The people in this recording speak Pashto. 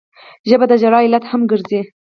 ژبه د ژړا علت هم ګرځي